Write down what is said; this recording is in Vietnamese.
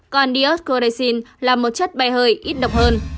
còn dioscorin là một chất bày hơi ít độc hơn